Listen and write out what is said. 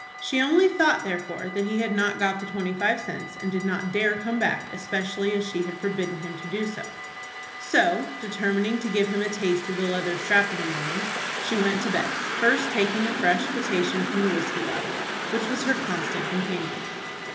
She only thought, therefore, that he had not got the twenty five cents, and did not dare to come back, especially as she had forbidden him to do so. So, determining to give him a taste of the leather strap in the morning, she went to bed, first taking a fresh potation from the whiskey bottle, which was her constant companion.